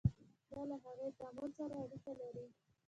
دا له هغې تعامل سره اړیکه لري.